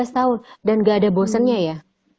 lima belas tahun dan gak ada bosennya ya